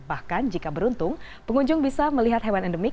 bahkan jika beruntung pengunjung bisa melihat hewan endemik